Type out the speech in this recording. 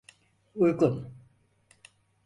Uygun…